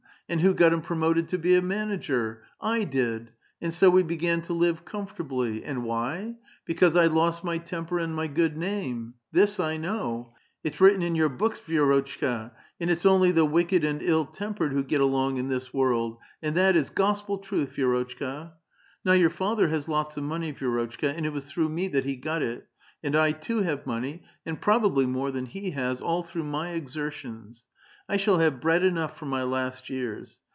And who got him promoted to be a manager ? I did ; and so we began to live comfortably. And why ? Because I lost my temper and my good name ! This 1 know. It's written in your books, Vi6 \ rotchka, that it's only the wicked and ill tempered who get \ along in tliis world ; and that is gospel truth, Vi^rotchka !* Now vour father has lots of monev, Vi^rotchka : and it was through me that he got it. And I too have money, and probably more than he has, — all through my exertions. I shall have bread enough for my last years.